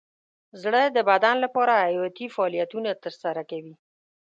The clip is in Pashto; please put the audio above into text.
زړه د بدن لپاره حیاتي فعالیتونه ترسره کوي.